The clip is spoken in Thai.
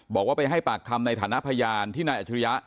บอกว่าไปให้ปากคำในฐานะพยานที่นายอัจฉริยะ